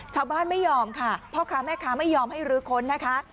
ชาวบ้านไม่ยอมค่ะพ่อค้าแม่ค้าไม่ยอมให้รื้อค้นนะคะ